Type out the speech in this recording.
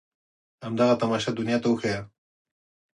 همدغه تماشه دنيا ته وښاياست.